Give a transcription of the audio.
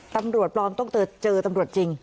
ตำรวจปลอมต้องเจอตำรวจจริง